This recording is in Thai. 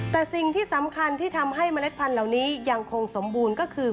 แต่สิ่งที่สำคัญที่ทำให้เมล็ดพันธุ์เหล่านี้ยังคงสมบูรณ์ก็คือ